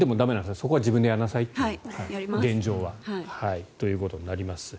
そこは自分でやりなさいと。ということになります。